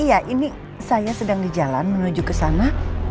iya ini saya sedang di jalan menuju ke sana